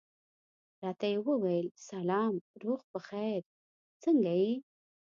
راته یې وویل سلام، روغ په خیر، څنګه یې؟